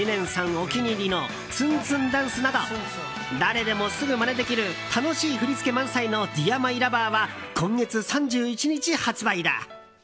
お気に入りのツンツンダンスなど誰でも、すぐまねできる楽しい振り付け満載の「ＤＥＡＲＭＹＬＯＶＥＲ」は今月３１日発売だ。